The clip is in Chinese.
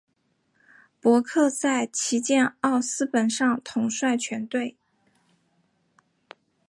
伯克在旗舰奥斯本上统帅全队。